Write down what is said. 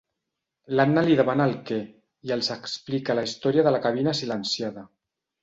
L'Anna li demana el què i els explica la història de la cabina silenciada.